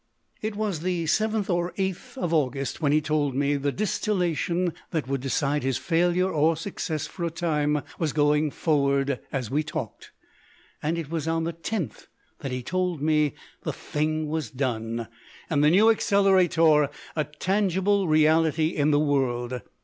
It was the 7th or 8th of August when he told me the distillation that would decide his failure or success for a time was going forward as we talked, and it was on the 10th that he told me the thing was done and the New Accelerator a tangible reality in the world.